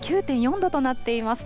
９．４度となっています。